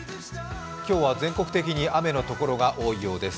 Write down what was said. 今日は全国的に雨のところが多いようです。